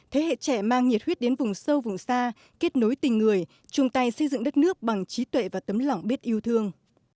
thế hệ trẻ mang nhiệt huyết đến vùng sâu vùng xa kết nối tình người chung tay xây dựng đất nước bằng trí tuệ và tấm lòng biết yêu thương